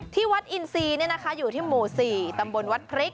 ที่วัดอินซีอยู่ที่หมู่๔ตำบลวัดพริก